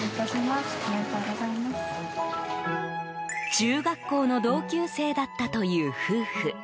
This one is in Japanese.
中学校の同級生だったという夫婦。